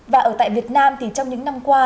và ở tại việt nam thì trong những năm qua